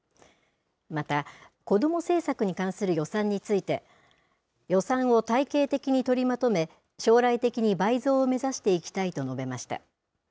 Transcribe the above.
また、子ども政策に関する予算について、予算を体系的に取りまとめ、将来的に倍増を目指していきたいと述べました。